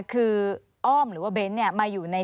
คืออ้อมหรือว่าเบ้นมาอยู่ใน